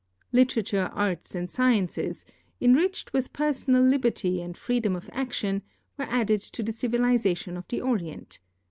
Literature, arts, and sciences, enriched with personal liberty and freedom of action, were added to the civilization of the Orient.